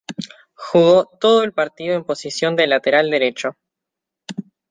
Jugó todo el partido en la posición de lateral derecho.